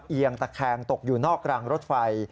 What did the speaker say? เอียงตะแคงตกอยู่นอกรางรถไฟ